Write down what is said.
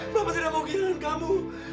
bapak tidak mau kehilangan kamu